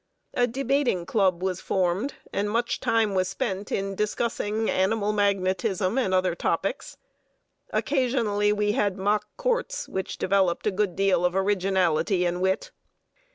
A debating club was formed, and much time was spent in discussing animal magnetism and other topics. Occasionally we had mock courts, which developed a good deal of originality and wit.